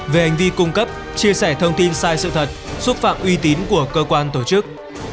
về hành vi cung cấp chia sẻ thông tin sai sự thật xúc phạm uy tín của cơ quan tổ chức